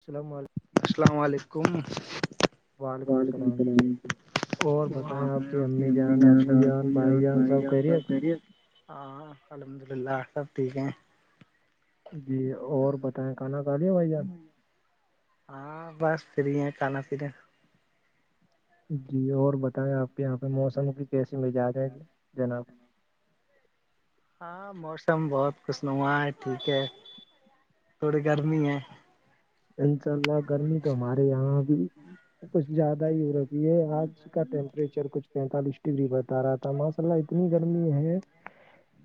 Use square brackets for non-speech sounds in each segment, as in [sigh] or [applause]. السلام علیکم السلام علیکم وعلیکم السلام جی وہ آپ آپ کی امی جان آبو جان بھائی جان سب کریے ہاں الحمد للہ سب ٹھیک ہیں جی اور بتائیں کانا کالی بھائی آپ ہاں بس فری ہیں کھانا پیا جی اور بتائیں آپ کے یہاں پہ موسم کی کیسی مجاج ہے جناب ہاں موسم بہت خوش نموا ہے ٹھیک ہے تھوڑی گرمی ہے انشاء اللہ گرمی تو ہمارے یہاں ا بھی کچھ زیادہ ہی ہے یورپی ہے آج اس کا ٹیمپریچر کچھ پینتالیس ڈگری بتا رہا تھا ماسا اللہ اتنی گرمی ہے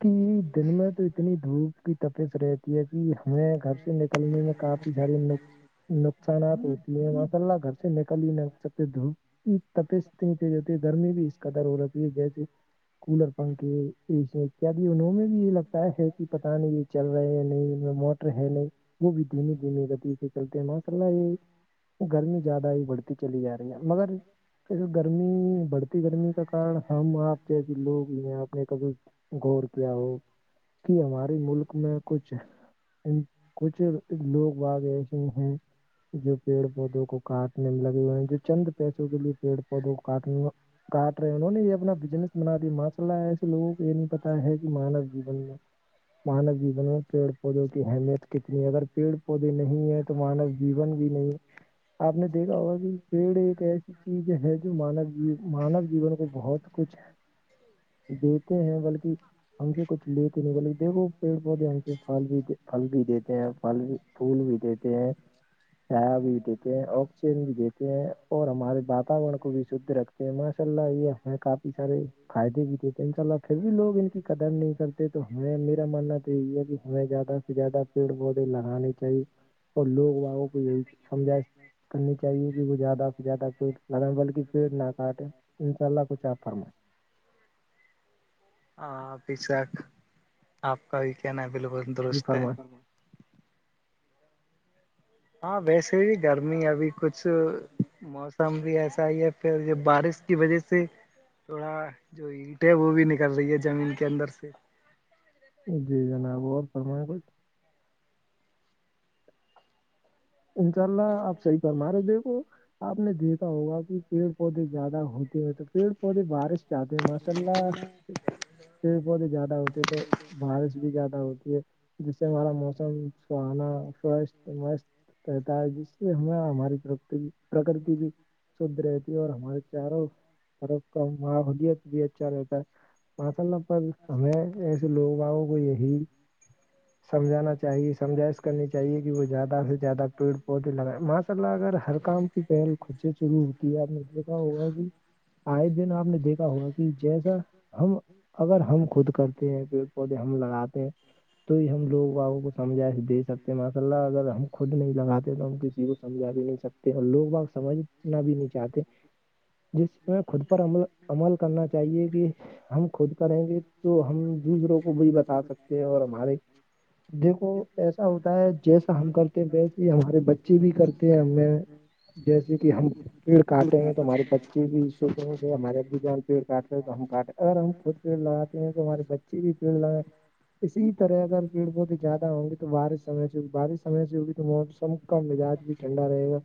کہ دن میں تو اتنی دھوپ کی تفس رہتی ہے کہ ہمیں گھر سے نکلنے میں کافی جھڑ لگ نقصانات ہوتی ہیں ماشاء اللہ گھر سے نکل ہی نہیں سکتے دھپ تپس نہیں چ ہوتی در میں بھی اس کا در ہو رہی ہے جیسے کولر پنکھے ای کیا ابھی انہوں میں بھی یہ لگتا ہے کہ پتہ نہیں یہ چل رہے ہیں نہیں موٹر ہے نہیں وہ بھی دھیمی دھیمے گدی سے چلتے ہیں ماشء اللہ یہ گرمی زیادہ ہی بڑھتی چلی جا رہی ہے مگر ے گرمی بڑھتی گرمی کا کارن ہم آپ جس لوگ ہیں اپنے کبھی غور کیا ہو کہ ہمارے ملک میں کچھ ان کچھ لوگ باگ ایسے ہیں جو پیڑ پودوں کو کاٹنے لگ جو چند پیسوں کے لیے پیڑ پودوں کو کاٹنے کاٹ رہے ہیں انہوں نے یہ اپنا بجنس بنا دییا ما چا اللہ ایسے لوگوں کو یہ نہیں پتا ہے کہ مانو جیون میں مانو جین میں پیڑ پودوں کی اہمیت کتنی ہے اگر پیڑ پودے نہیں ہے تو مانو جین بھی نہیں آپ نے دیکھا ہوگا کہ پیڑ ایک ایس چیز ہے جو مانو جی مانو جیون کو بہت کچھ ہے دیتے ہیں بلکہ ہم سے کچھ لیتے نہیں بلکہ دیکھو پیڑ پودے سے پھل بھی پھل بھی دیتے ہیں پھل بھی پھول بھی دیتے ہیں چ بھی دیتے ہیں اچین بھی دیتے ہیں اور ہمارے واتاورن کو بھی شھ رکھ ماشاء اللہ یہ ہمیں کافی سارے فائدے بھی تھتے ان شاء اللہ پھر بھی لوگ ان کی قدر نہیں کرتے تو ہمیں میرا ماننا تو یہی ہے کہ ہمیں زیادہ زیادہ پیڑ پودے لگانے چاہیے اور لوگ وگوں کو یہی سمجھائش کرنی چاہیے کہ وہ زیادہ سے زیادہ کو لگ ب پیٹ نہ کاٹے ان شاء اللہ کچھ آپ فرمائیں ہاں ابھی شک آپ کا بھی کہنا ہے بالکل جی درست ہے فرمائیں ہاں ویسے بھی گرمی ابھی کچھ موسم بھی ایسا ہی ہے پھر جو بارش کی وجہ سے تھوڑا جو اینٹ ہے وہ بھی نکل رہی ہے زمین کے اندر سے جی جناب اور فرمائیں کچھ انشاء اللہ آپ صحیح فرما رہے دیکھو آپ نے دیکھا ہوگا کہ پیڑ پودے زیادہ ہوتے ہیں تو پیڑ پودے بارش جاتے ہیں ماشاء اللہ پیڑ پودے زیادہ ہوتے ہیں تو بارش بھی زیادہ ہوتی ہے جس سے ہمارا موسم سہانا سو م رہتا ہے جس سے ہمیں ہماری پرکتی بھی شھ رہتی اور ہمارے چاروں طر کا ماحوولت بھی اچھا رہتا ہے مسل پر ہمیں ایسے لوگ آؤ کو یہی سمجھانا چاہیے سمجھائش کرنی چاہیے کہ وہ زیادہ زیادہ پیڑ پودے لگائے ماشاء اللہ اگر ہر کام کی پہل خود سے شرع ہوتی ہے آپ نے دیکھا ہوگا کہ آئے دن آپ نے دیکھا ہوا کہ جیسا ہم اگر ہم خود کرتے ہیں پیڑ پودے ہم لگاتے ہیں تو ہی ہم لوگ بوں کو سمجا دے سکتے ہیں ماشاء اللہ اگر ہم خود نہیں لگاتے تو ہم کسی کو سمھا بھی نہیں سکتے اور لوگ ب سمجھنا بھی نہیں چاہتے جس میں خود پر عمل عمل کرنا چاہیے کہ ہم خود کریں گے تو ہم دوسروں کو بھیی بتا سکتے ہیں اور ہمارے دیکھو ایسا ہوتا ہے جیسا ہم کرتے ویسے ہی ہمارے بچے بھی کرتے ہیں ہمیں جیسے کہ ہم پیڑ کاٹیں گے تومہارے بچے بھی سو ہمارے ا جان پیڑ کاٹے ہیں تو ہم کاٹے اگر ہم خود پیڑ لگاتے ہیں تو ہمارے بچے بھی پیڑ لگائے اسی طرح اگر پیڑ پت زیادہ ہوں گی تو بارش س بارش سے گی تو موسم کا مزاج بھی ٹھنڈا رہے گا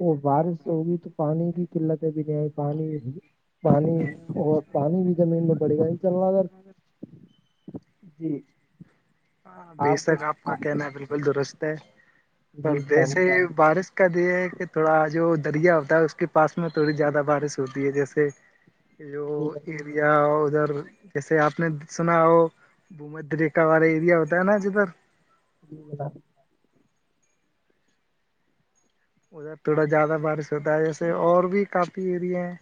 وہ بارش ہوگی تو پانی کی قلتیں بھی نہیں آئی پانی پانی اور پانی بھی زمین میں پڑے گا نہیں چل رہا اگر جی ہاں بے شک کچھ آپ کا آ- کہنا ہے بالکل درست ہے جی فرما- پردیسے بارش کا یہ ہے کہ تھوڑا جو دریا ہوتا ہے اس کے پاس میں تھوڑی زیادہ بارش ہوتی ہے جیسے [inaudible] یہ جو جی یہ یا اور ادھر جیسے آپ نے سنا ہو بومرا والا ایریا [inaudible] [inaudible] ادھر تھوڑا زیادہ بارش ہوتا ہے جیسے اور بھی کافی ایریا ہیں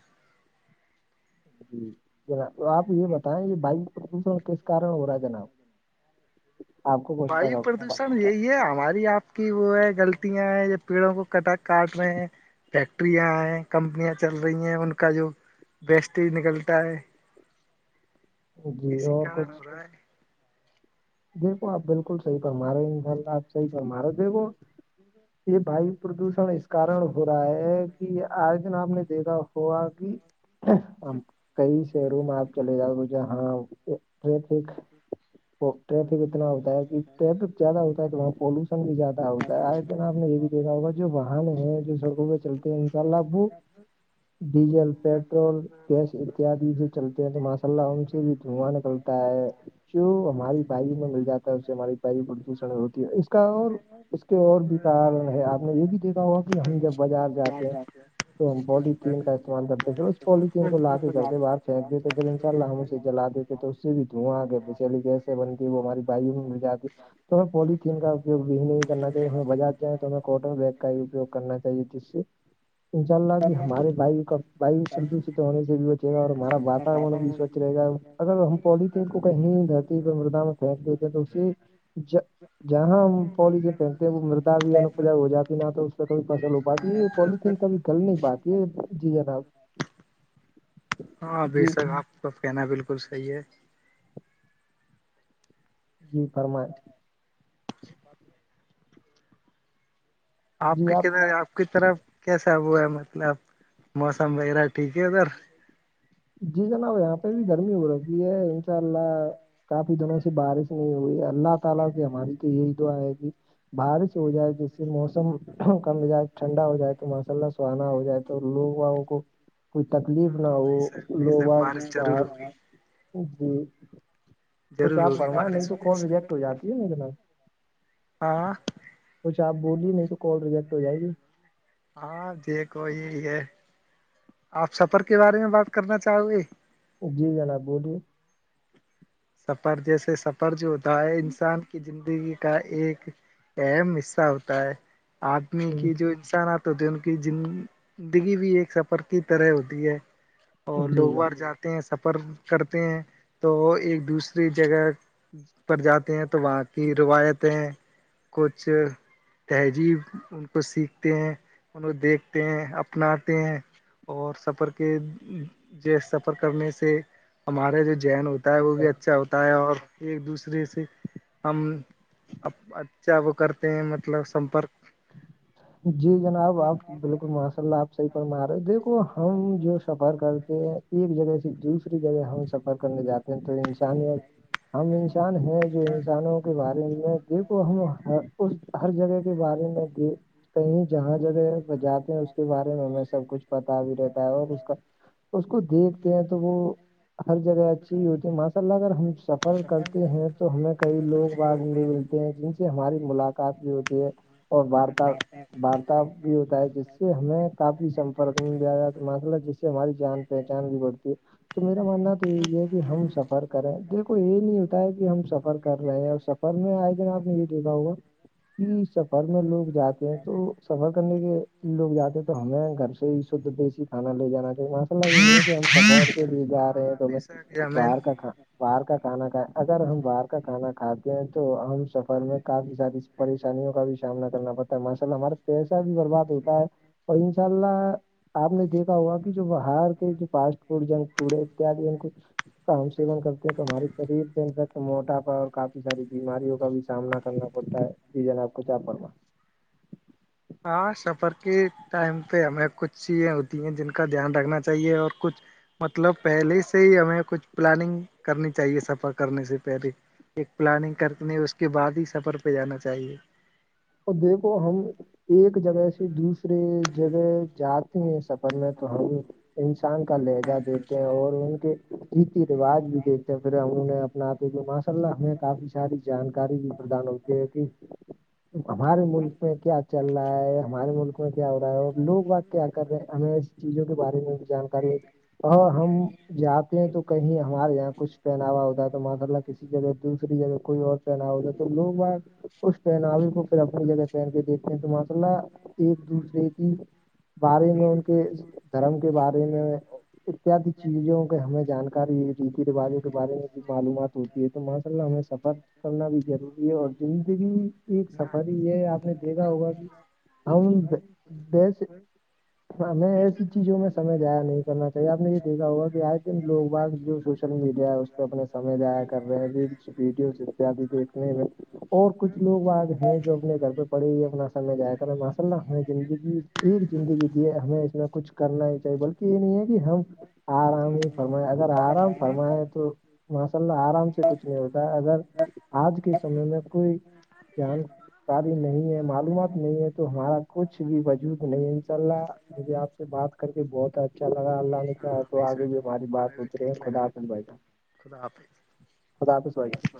جی جناب آپ یہ بتائیں یہ وائو پردوشن کس کارن ہو رہا ہے جناب آپ کو کچھ وایو پتا پردوشن یہی ہے ہماری آپ کی وہ ہے غلطیاں ہیں یہ پیڑوں کو کٹا کاٹ رہے ہیں فیکٹریاںئے کمپنیاں چل رہی ہیں ان کا جو بیسٹج نکلتا ہے جی اسی اور کارن کچھ ہو رہا ہے دیکھو آپ بالکل صحی پر مارو ان شاء اللہ آپ صحی پر مارو دیکھو یہ وایو پردوشن ہے اس کارن ہو رہا ہے کہ آج دن آپ نے دیکھا ہوا کہ کئی شہر میں آپ چلے جاؤ گ ج ہاں ٹریفک اتنا ہوتا ہے کہ ٹریفک زیادہ ہوتا ہے تو وہاں پولوشن بھی زیادہ ہوتا ہے آپ نے یہ بھی دیک جو واہن ہیں جو سڑکوں پہ چلتے ہیں ان شاء اللہ ابو ڈیزل پیٹرول گیس اتیاد سے چلتے ہیں تو ماشاء اللہ ان سے بھی دھواں نکلتا ہے جو ہماری پ میں مل جاتا ہے اس سے ہماری پ پردوشن میں ہوتی ہے اس کا اور اس کے اور بھی کارن ہے آپ نے یہ بھی کہ ہوا کہ ہم جب بازار جاتے ہیں تو ہم پالییکین کا استعمال کرتے پھر اس پالییکین کو لا کے کر کے باہر پھینک دیتے پھر ان شاء اللہ ہم اسے جلا دیتے تو اس سے بھی دھواں آ کے ب چلی گیا بنتی وہ ہماری باو میں مل جاتی تو ہمیں پولیتھیین کا اپیوگ بھی نہیں کرنا چاہیے ہمیں بجا کیا تمہیں کٹن بیگ کا ہی اپیوگ کرنا چاہیے جس سے انشاء اللہ بھی ہمارے واو کا واو پردوشت ہونے سے بھی بچے گا اور ہمارا واتاورن بھی سوچھ رہے گا اگر ہم پولیتھیین کو کہیں دھرتی پ مردا میں پھینک دیتے ہیں تو اسے جہاں ہم پولیی جو پہنتے ہیں وہ مردا بھی ان پجا ہو جاتی نہ تو اس پہ کوئی فصل ہو پاتی ہے پولیتھین کا بھی گل نہیں بات یہ جی جناب ہاں بے جی شک آپ کا کہنا بالکل صحیح ہے جی فرمائیں [inaudible] آپ کی کد آپ کی طرف کیسا وہ ہے مطلب موسم وغیرہ ٹھیک ہے ادھر جی جناب یہاں پہ بھی گرمی ہو رہی ہے انشاء اللہ کافی دنوں سے بارش نہیں وہی اللہ تعالی سے ہماری تو یہی دعا ہے کہ بارش ہو جائے جس سے موسم کم جائے ٹھنڈا ہو جائے تو ماشاء اللہ سہانا ہو جائے تو لوگواوں کو کوئی تکلیف نہ ہاں ہو بے شک بے شک لوا بارش ضرور بر ہوگی جی کچھ ضرور آپ ہوگی پروائیں نہیں بارش تو بے کال شک ریجیکٹ ہو جاتی ہے ن جناب ہاں کچھ آپ بولیے نہیں تو کال ریجیکٹ ہو جائے گی ہاں دیکھو یہ ہے آپ سفر کے بارے میں بات کرنا چاہو گے جی جناب بولیے سفر جیسے سفر جو ہوتا ہے انسان کی زندگی کا ایک اہم حصہ ہوتا ہے آدمی جی جناب کی جو نقسانات ہوتے ہیں ان کی زندگی بھی ایک سفر کی طرح ہوتی ہے اور لوگ بار جی جاتے ہیں سفر کرتے ہیں تو ایک دوسری جگہ پر جاتے ہیں تو وہاں کی روایتیں کچھ تہذیب ان کو سیکھتے ہیں ان کو دیکھتے ہیں اپناتے ہیں اور سفر کے جس سفر کرنے سے ہمارا جو جین ہوتا ہوتا وہ بھی جناب اچھا ہوتا ہے اور ایک دوسرے سے ہم اچھا وہ کرتے ہیں مطلب سمپرک جی جناب آپ بالکل ماشاء اللہ آپ صحیح پر مار رہے دیکھو ہم جو سفر کرتے ہیں ایک جگہ سے دوسری جگہ ہم سفر کرنے جاتے ہیں تو انسانیت ہم انسان ہیں جو انسانوں کے بارے میں دیکھو ہم اس ہر جگہ کے بارے میں دیک کہیں جہاں جگہ جاتے ہیں اس کے بارے میں ہمیں سب کچھ پتا بھی رہتا ہے اور اس کا اس کو دیکھتے ہیں تو وہ ہر جگہ اچھی ہوتی م لہ اگر ہم سفر کرتے ہیں تو ہمیں کئی لوگ بغ بھی ملتے ہیں جن سے ہماری ملاقات بھی ہوتی ہے اور وار بھی جس سے ہمیں کافی سمپرک میں بھی آ جات ملہ جس سے ہماری جان پہچان بھی بڑھتی ہے تو میرا مننا تو یہ ہے کہ ہم سفر کریں دیکھو یہ نہیں ہوتا ہے کہ ہم سفر کر رہے ہیں اور س سفر میں آئے دن آپ نے یہ دیکھا ہوگا کہ سفر میں لوگ جاتے تو سفر کرنے کے لوگ جاتے ہیں تو ہمیں گھر سے ہی شھ دیسی کھانا لے جانا چ وہاں مسئلہ یہ نہیں ہے کہ ہم سفر کے لیے جا رہے ہیں تو ہمیں کہ ہمیں کاا باہر کا کانا کھائے اگر ہم باہر کا کھانا کھاتے ہیں تو ہم سفر میں کافی ساری پریشانیوں کا بھی سامنا کرنا پڑتا ہے مسل ہمارا پیسہ بھی برباد ہوتا ہے تو ان شاء اللہ آپ نے دیکھا ہوا کہ جو بہار کے جو پاٹ پ جن پڑ اتد کا ہم سیون کرتے ہیں تو ہمارے شریر پ انفیکٹ موٹاپا اور کافی ساری بیماریوں کا بھی سامنا کرنا پڑتا ہے یہ جن آپ کو کیاا پڑا ہاں سفر کے ٹائم پہ ہمیں کچھ چیزیں ہوتی ہیں جن کا دھیان رکھنا چاہیے اور کچھ مطلب پہلے سے ہی ہمیں کچھ پلاننگ کرنی چاہیے سفر کرنے سے پہلے ایک پلاننگ کرتےنی اس کے بعد ہی سفر پہ جانا چاہیے تو دیکھو ہم ایک جگہ سے دوسرے جگہ جاتے ہیں سفر میں تو ہم ان ان کا لہجہ دیکتے ہیں اور ان کے ریتی رواج بھی دھتے پھر ہموں نے اپنا آپ س اللہ ہمیں کافی ساری جانکاری بھی پردان ہوتی ہے کہ ہمارے ملک میں کیا چل رہا ہے ہمارے ملک میں کیا ہو رہا ہے اور لوگ بق کیا کر رہے ہمیں چیزوں کے بارے میں بھی جانکاری اور ہم جاتے ہیں تو کہیں ہمارے یہاں کچھ پہناوا ہوتا ہے تو ماشاء اللہ کسی جگہ دوسری جگہ کوئی اور پہناوا ہوتا تھا تو تو لوگ ب اس پہناوی کو پھر اپنی جگہ پہن کے دیکھ نہیں تو ماشاء اللہ ایک دوسرے کی بارے میں ان کے دھرم کے بارے میں اتد چیزوں کے ہمیں جانکاری ی روایوں کے بارے میں ج معلومات ہوتی ہے تو ماشاء اللہ ہمیں سفر کرنا بھی ضروری ہے اور زندگی ایک نا۔ سب ا یہ آپ نے دیکھا ہوگا کہ ہم دس ہاں میں ایسی چیزوں میں سمے جیا نہیں کرنا چاہیے آپ نے یہ دیکھا ہوگا کہ آج لیکن لوگ ب جو سوشل میڈیا ہے اس پہ اپنے سمے دضیاع کر رہے ہیں ریلس ویڈیوز اتیاد دیکھنے میں اور کچھ لوگ آ گئے جو اپنے گھر پہ پڑے اپنا سل میں جیا کر ہے ماشاء اللہ ہمیں زندگی ایک زندگی دی ہے ہمیں اس میں کچھ کرنا ہی چاہیے بلکہ یہ نہیں ہے کہ ہم آرام ہی فرمائیں اگر آرام فرمائے تو ماشاء اللہ آرام سے کچھ نہیں ہوتا ہے اگر آج کے سمے میں کوئی جان کاری نہیں ہے معلومات نہیں ہے تو ہمارا کچھ بھی وجود نہیں ہے انشاء اللہ مجھے آپ سے بات کر کے بہت اچھا لگا اللہ ہاں تو بے آگے شک بھی ہماری ہمیں بات بھی ہوتی رہی ہے ٹھیک لگا خدافظ بائیجان خدا حافظ خدا حافظ بائیجان